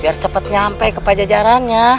biar cepat nyampe ke pajajarannya